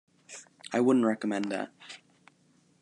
I wouldn't recommend that.